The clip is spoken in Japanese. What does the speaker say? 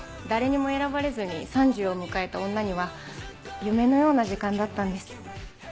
誰にも選ばれずに３０を迎えた女には夢のような時間だったんです。